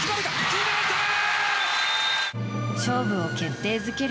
決めたー！